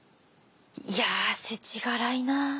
いやせちがらいな。